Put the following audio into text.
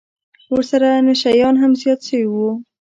ورسره نشه يان هم زيات سوي وو.